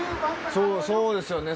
そうそうですよね。